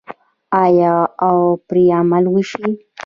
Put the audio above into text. آیا او پرې عمل وشي؟